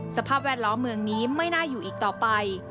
สภาพแวดล้อมเมืองนี้ไม่น่าอยู่อีกต่อไป